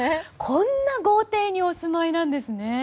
こんな豪邸にお住まいなんですね。